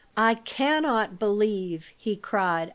"I cannot believe," he cried.